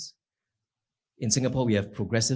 di singapura kami telah menekan